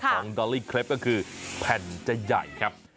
ดอลลี่เคล็ปก็คือแผ่นจะใหญ่ครับ